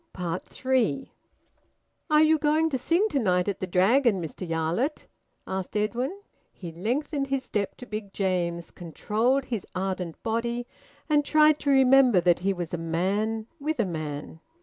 THREE. "Are you going to sing to night at the Dragon, Mr Yarlett?" asked Edwin. He lengthened his step to Big James's, controlled his ardent body, and tried to remember that he was a man with a man.